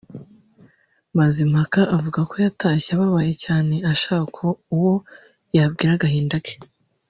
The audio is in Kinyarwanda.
Mazimpaka avuga ko yatashye ababaye cyane ashaka uwo yabwira agahinda ke